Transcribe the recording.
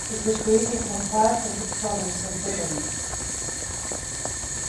It was created from part of the province of Brittany.